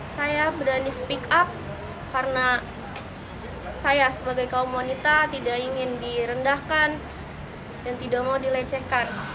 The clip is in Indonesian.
saya berani speak up karena saya sebagai kaum wanita tidak ingin direndahkan dan tidak mau dilecehkan